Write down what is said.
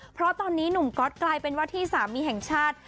เพราะตอนนี้หนุ่มก๊อตกลายเป็นว่าที่สามีแห่งชาติ